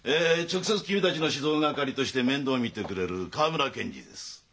直接君たちの指導係として面倒を見てくれる河村検事です。